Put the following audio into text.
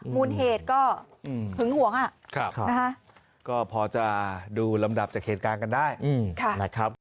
มูลเหตุก็หึงห่วงอ่ะครับนะฮะก็พอจะดูลำดับจากเหตุการณ์กันได้อืมค่ะนะครับ